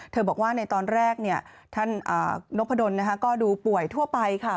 บอกว่าในตอนแรกท่านนพดลก็ดูป่วยทั่วไปค่ะ